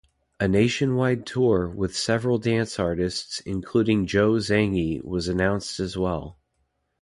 A nationwide tour with several dance artists including Joe Zangie was announced as well.